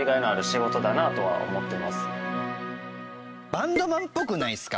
バンドマンっぽくないですか？